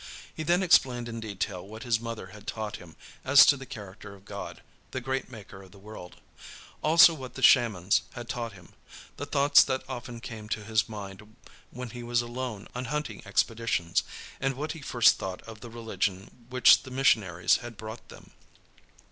He then explained in detail what his mother had taught him as to the character of God, the great Maker of the world; also what the shamans had taught him; the thoughts that often came to his mind when he was alone on hunting expeditions, and what he first thought of the religion which the missionaries had brought them.